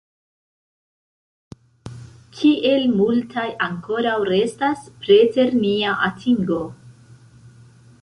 Kiel multaj ankoraŭ restas preter nia atingo!